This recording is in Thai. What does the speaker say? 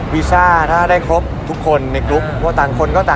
วิชาถ้าได้ครบทุกคนในเกร็บ